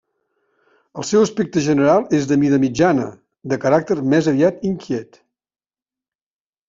El seu aspecte general és de mida mitjana, de caràcter més aviat inquiet.